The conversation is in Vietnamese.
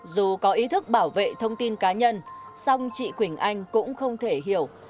dù có ý thức bảo vệ thông tin cá nhân song chị quỳnh anh cũng không thể hiểu